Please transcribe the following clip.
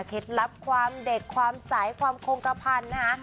เคล็ดลับความเด็กความสายความโคกระพันธ์นะคะ